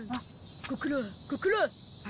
ご苦労ご苦労。